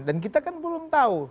dan kita kan belum tahu